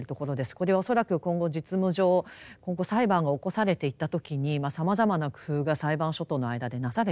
これは恐らく今後実務上今後裁判が起こされていった時にさまざまな工夫が裁判所との間でなされてですね